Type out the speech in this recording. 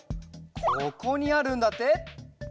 ここにあるんだって。